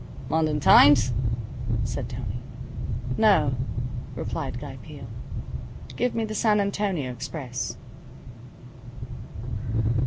"London Times?" said Tony. "No," replied Guy Peel. "Give me the San Antonio Express."